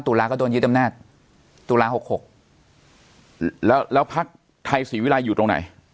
ตุลาก็โดนยึดอำนาจตุลา๖๖แล้วแล้วพักไทยศรีวิรัยอยู่ตรงไหน